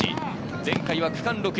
前回は区間６位。